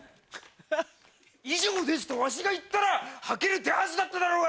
「以上です」とわしが言ったらはける手はずだっただろうが！